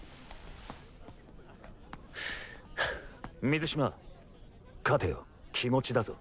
水嶋勝てよ気持ちだぞ。